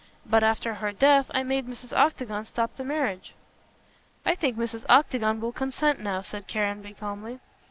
But after her death I made Mrs. Octagon stop the marriage." "I think Mrs. Octagon will consent now," said Caranby, calmly.